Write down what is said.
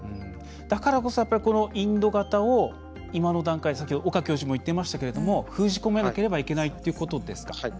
だからこそインド型を今の段階、先ほど岡教授も言っていましたけど封じ込めなければいけないということですか。